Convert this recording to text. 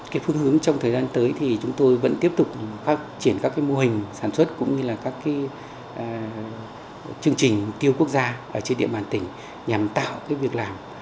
cái phương hướng trong thời gian tới thì chúng tôi vẫn tiếp tục phát triển các mô hình sản xuất cũng như là các chương trình tiêu quốc gia trên địa bàn tỉnh nhằm tạo việc làm